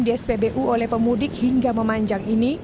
di spbu oleh pemudik hingga memanjang ini